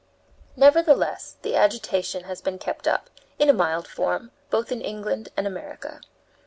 Nevertheless the agitation has been kept up, in a mild form, both in England and America.